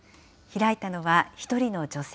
開いたのは、１人の女性。